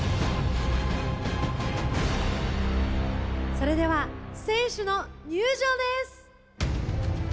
それでは選手の入場です！